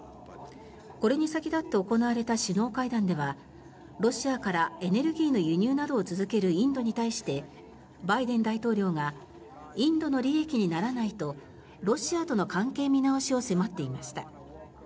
これに先立って行われた首脳会談ではロシアからエネルギーの輸入などを続けるインドに対してバイデン大統領がインドの利益にならないとロシアとの関係見直しを迫っていました。